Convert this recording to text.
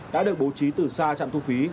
đã được bố trí từ xa trạm thu phí